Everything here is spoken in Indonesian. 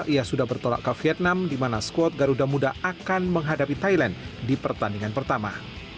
ia sudah bertolak ke vietnam di mana squad garuda muda akan menghadapi thailand di pertandingan pertama